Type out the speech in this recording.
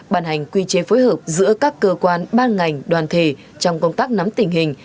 bàn hành quy chế phối hợp giữa các cơ quan ban ngành đoàn thể trong công tác nắm tình hình